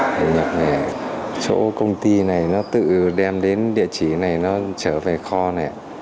thầy nhập về chỗ công ty này nó tự đem đến địa chỉ này nó trở về kho này